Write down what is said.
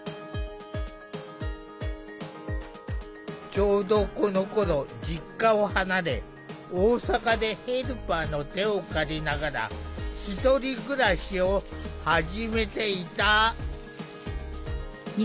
ちょうどこのころ実家を離れ大阪でヘルパーの手を借りながら１人暮らしを始めていた。